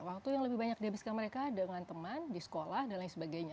waktu yang lebih banyak dihabiskan mereka dengan teman di sekolah dan lain sebagainya